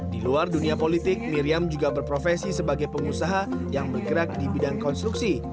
di luar dunia politik miriam juga berprofesi sebagai pengusaha yang bergerak di bidang konstruksi